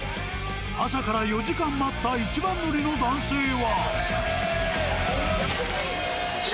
朝から４時間待った一番乗りの男性は。